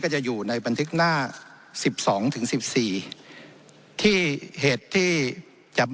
จะอยู่ในบันทึกหน้าสิบสองถึงสิบสี่ที่เหตุที่จะ